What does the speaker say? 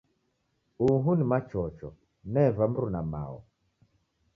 Uhu ni Machocho. Neva mruna-mao.